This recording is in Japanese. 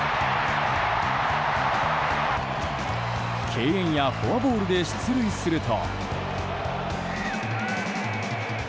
敬遠やフォアボールで出塁すると。